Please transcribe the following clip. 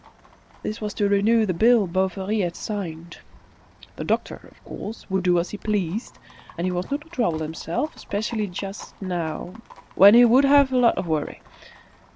This was to renew the bill Bovary had signed. The doctor, of course, would do as he pleased; he was not to trouble himself, especially just now, when he would have a lot of worry.